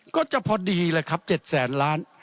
ก็จะพอดีแหละครับ๗แสนล้าน